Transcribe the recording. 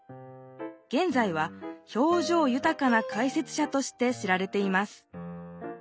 げんざいは表情ゆたかな解説者として知られています